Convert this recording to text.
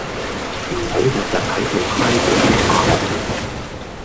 唔好日日喺度 high 嗰啲化學嘢